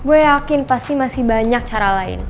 gue yakin pasti masih banyak cara lain